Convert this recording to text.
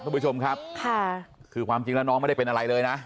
คุณผู้ชมครับค่ะคือความจริงแล้วน้องไม่ได้เป็นอะไรเลยนะ